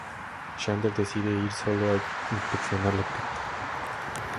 Xander decide ir solo a inspeccionar la cripta.